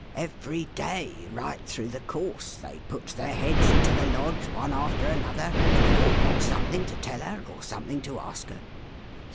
Every day, right through the course, they puts their heads into the Lodge, one after another,, and have all got something to tell her, or something to ask her.